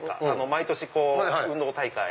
毎年運動大会。